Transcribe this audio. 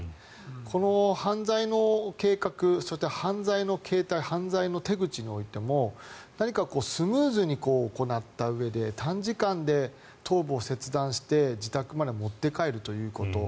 この犯罪の計画、犯罪の形態犯罪の手口においても何かスムーズに行ったうえで短時間で頭部を切断して自宅まで持って帰るということ。